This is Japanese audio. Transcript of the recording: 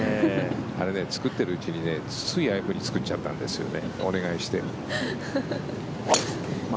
あれね、作っているうちについああいうふうに作っちゃったんですよね。